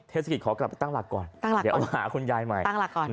เทศกิจขอกลับตั้งหลักก่อนเดี๋ยวมาหาคุณยายใหม่